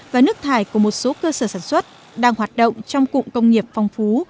và nước thải của một số cơ sở sản xuất đang hoạt động trong cụm công nghiệp phong phú